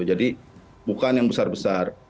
jadi bukan yang besar besar